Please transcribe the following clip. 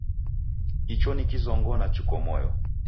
Icho ni kizong'ona chiko moyo